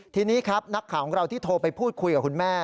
ทีนี้ครับนักข่าวของเราที่โทรไปพูดคุยกับคุณแม่